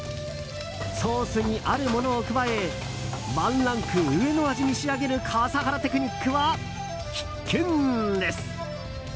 ソースに、あるものを加えワンランク上の味に仕上げる笠原テクニックは必見です。